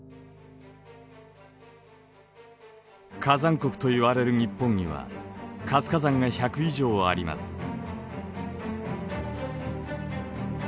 火山国といわれる日本には活火山が１００以上あります。